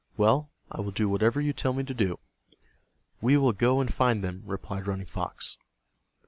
Well, I will do whatever you tell me to do." "We will go and find them," replied Running Fox.